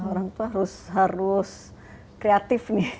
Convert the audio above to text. orang tua harus kreatif nih